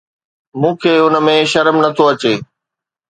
مون کي ان ۾ شرم نه ٿو اچي